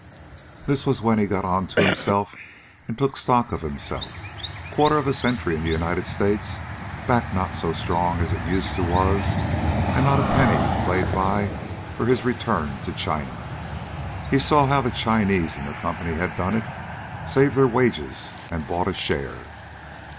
This was when he got onto himself and took stock of himself. A quarter of a century in the United States, back not so strong as it used to was, and not a penny laid by for his return to China. He saw how the Chinese in the company had done it saved their wages and bought a share.